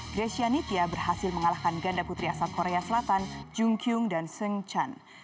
grecia nitya berhasil mengalahkan ganda putri asal korea selatan jung kyung dan seng chan